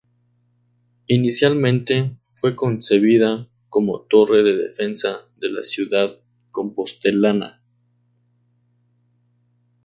Inicialmente fue concebida como torre de defensa de la ciudad Compostelana.